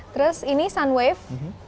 terus ini sunwave